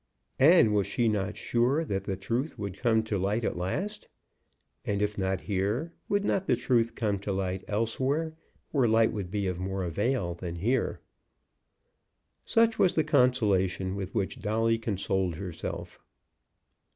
And was she not sure that the truth would come to light at last? And if not here, would not the truth come to light elsewhere where light would be of more avail than here? Such was the consolation with which Dolly consoled herself.